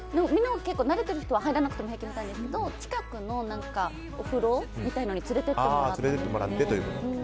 慣れている人は入らなくても平気みたいですけど近くのお風呂みたいなのに連れてってもらって。